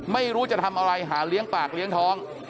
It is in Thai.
ไม่รู้จะทำอะไรหาเลี้ยงปากเลี้ยงท้อง